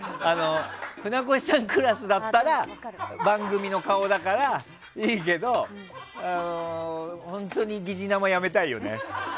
船越さんクラスだったら番組の顔だからいいけど本当に疑似生やめたいよね。